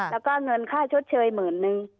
แล้วก็เงินค่าชดเชยหมื่นนึง